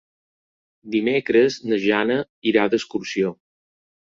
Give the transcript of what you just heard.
Dimecres na Jana irà d'excursió.